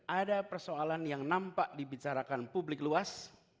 ada persoalan yang nampak dibicarakan publik luas